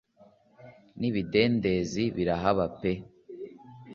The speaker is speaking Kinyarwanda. n'ibidendezi birahaba pe